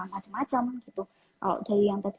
macam macam gitu kalau dari yang tadi